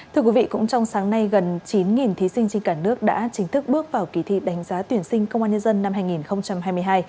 thưa quý vị cũng trong sáng nay gần chín thí sinh trên cả nước đã chính thức bước vào kỳ thi đánh giá tuyển sinh công an nhân dân năm hai nghìn hai mươi hai